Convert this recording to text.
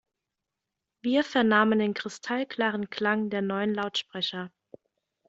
Wir vernahmen den kristallklaren Klang der neuen Lautsprecher.